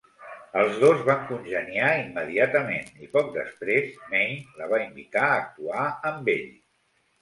Els dos van congeniar immediatament, i poc després, Meine la va invitar a actuar amb ell.